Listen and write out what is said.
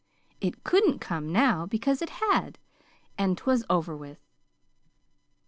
It COULDN'T come now, because it HAD come; and 'twas over with.